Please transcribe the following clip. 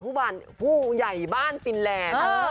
ผู้บ้านผู้ใหญ่บ้านฟินแลนด์